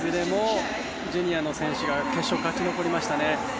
ジュニアの選手が決勝に勝ち残りましたね。